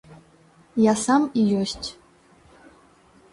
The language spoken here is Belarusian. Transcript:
Я сам і ёсць.